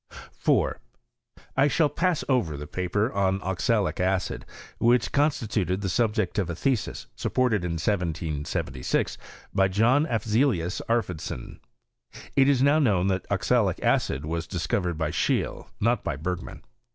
4. 1 shall pass over the paper on oxalic acid,, "which constituted the subject of a thesis, supported in 1776, by John Afzelius Arfvedson. It is now known that oxalic acid was discovered by Scheele, not by Bergman.